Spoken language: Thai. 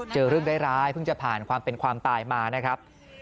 เจอเรื่องร้ายเพิ่งจะผ่านความเป็นความตายมานะครับ